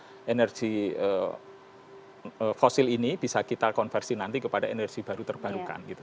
biar bisa energi fosil ini bisa kita konversi nanti kepada energi baru terbarukan